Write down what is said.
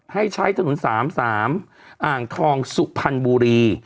ให้ใช้ถนน๓๓อ่างทองสุพรรณบุรี